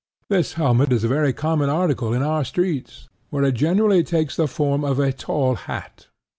This helmet is a very common article in our streets, where it generally takes the form of a tall hat.